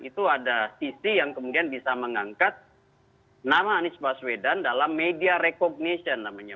itu ada sisi yang kemudian bisa mengangkat nama anies baswedan dalam media recognition namanya